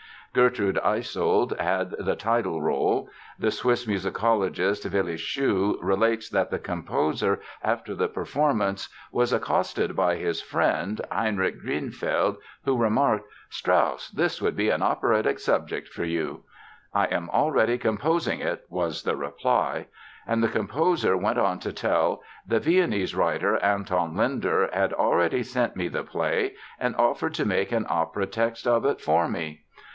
Gertrude Eysoldt had the title role. The Swiss musicologist, Willy Schuh, relates that the composer, after the performance was accosted by his friend, Heinrich Grünfeld, who remarked: "Strauss, this would be an operatic subject for you!" "I am already composing it," was the reply. And the composer went on to tell: "The Viennese writer, Anton Lindner, had already sent me the play and offered to make an opera text of it for me.